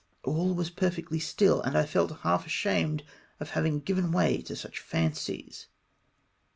All was perfectly still, and I felt half ashamed of having given way to such fancies.